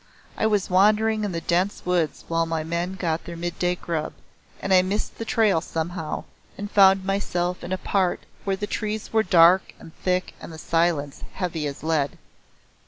I was wandering in the dense woods while my men got their midday grub, and I missed the trail somehow and found myself in a part where the trees were dark and thick and the silence heavy as lead.